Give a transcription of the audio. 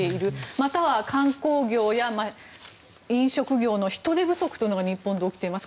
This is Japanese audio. または観光業や飲食業の人手不足というのも日本で起きています。